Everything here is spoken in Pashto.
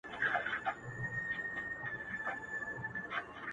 نن له سیوري سره ځمه خپل ګامونه ښخومه.!